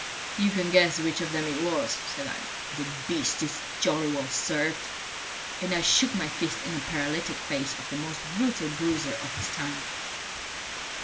"You can guess which of them it was," said I. "The beast is jolly well served!" And I shook my fist in the paralytic face of the most brutal bruiser of his time.